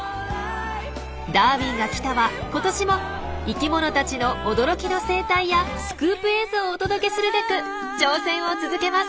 「ダーウィンが来た！」は今年も生きものたちの驚きの生態やスクープ映像をお届けするべく挑戦を続けます！